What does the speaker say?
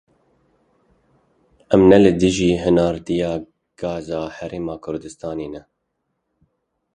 Em ne li dijî hinardeya gaza Herêma Kurdistanê ne.